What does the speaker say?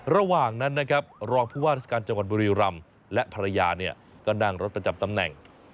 ระหว่างนั้นนะครับรองผู้ว่าราชการจังหวัดบุรีรำและภรรยาเนี่ยก็นั่งรถประจำตำแหน่ง